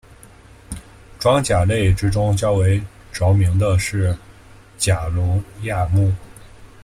装甲类之中较为着名的是甲龙亚目。